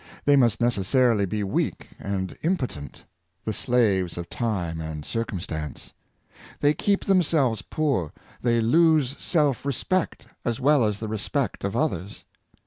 They must necessarily be weak and impotent — the slaves of time and circumstance They keep themselves poor. They lose self respect as well as the respect of others.